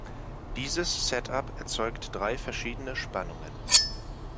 Dieses Setup erzeugt drei verschiedene Spannungen.